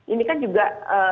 ini kan juga